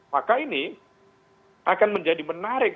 maka ini akan menjadi menarik